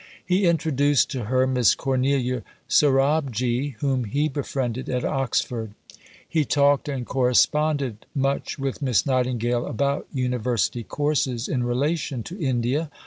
He introduced to her Miss Cornelia Sorabji, whom he befriended at Oxford. He talked and corresponded much with Miss Nightingale about University courses in relation to India.